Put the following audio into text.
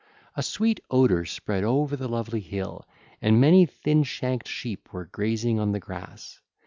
A sweet odour spread over the lovely hill, and many thin shanked sheep were grazing on the grass.